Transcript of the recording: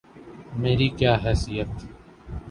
میری کیا حیثیت؟